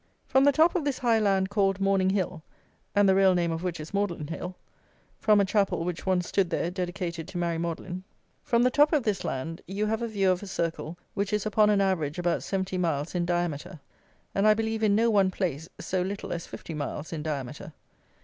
From the top of this high land called Morning Hill, and the real name of which is Magdalen Hill, from a chapel which once stood there dedicated to Mary Magdalen; from the top of this land you have a view of a circle which is upon an average about seventy miles in diameter; and I believe in no one place so little as fifty miles in diameter.